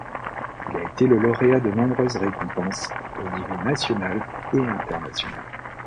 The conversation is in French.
Il a été le lauréat de nombreuses récompenses au niveau national et international.